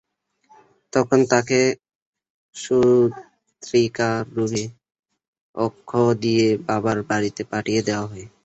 তখন তাকে সূতিকা রোগী আখ্যা দিয়ে বাবার বাড়িতে পাঠিয়ে দেওয়া হয়।